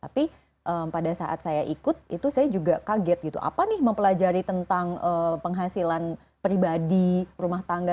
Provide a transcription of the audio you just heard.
tapi pada saat saya ikut itu saya juga kaget gitu apa nih mempelajari tentang penghasilan pribadi rumah tangga